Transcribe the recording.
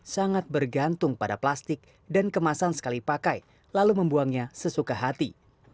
sangat bergantung pada plastik dan kemasan sekali pakai lalu membuangnya sesuka hati